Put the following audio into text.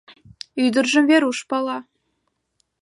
Ӱдыржым Веруш пала.